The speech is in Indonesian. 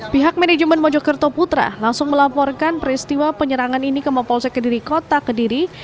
pihak manajemen mojokerto putra langsung melaporkan peristiwa penyerangan ini ke mapolsek kediri kota kediri